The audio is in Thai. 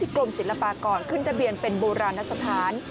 กรมศิลปากรขึ้นทะเบียนเป็นโบราณสถาน